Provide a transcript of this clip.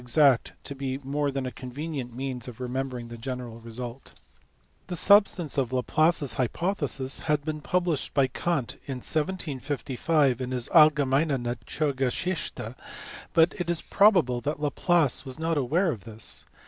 exact to be more than a convenient means of remembering the general result. The substance of Laplace s hypothesis had been published by Kant in 1755 in his Allgemeine Natur geschichte, but it is probable that Laplace was not aware of this.